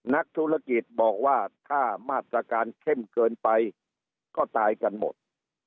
นักธุรกิจบอกว่าถ้ามาตรการเข้มเกินไปก็ตายกันหมด